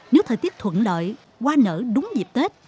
nếu thời tiết thuận lợi hoa nở đúng dịp tết